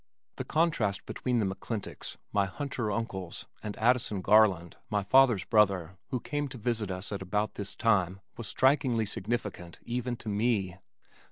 The contrast between the McClintocks, my hunter uncles, and Addison Garland, my father's brother who came to visit us at about this time was strikingly significant even to me.